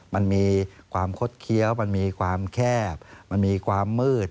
มันมีความคดเคี้ยวมันมีความแคบมันมีความมืด